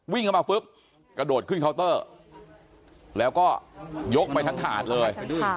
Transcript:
วิ่งเข้ามาปุ๊บกระโดดขึ้นเคาน์เตอร์แล้วก็ยกไปทั้งถาดเลย